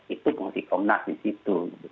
itu yang mesti komnas di situ